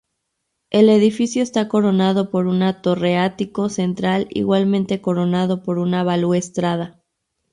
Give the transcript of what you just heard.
El edificio está coronado por una torre-ático central igualmente coronado por una balaustrada.